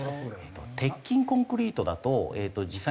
鉄筋コンクリートだとえっと